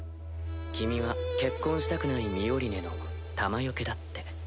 君は結婚したくないミオリネの弾よけだって。